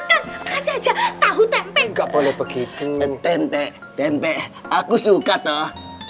kasih aja tahu tempe nggak boleh begitu tempe tempe aku suka toh